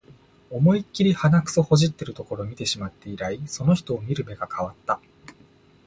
思いっきり鼻くそほじってるところ見てしまって以来、その人を見る目が変わった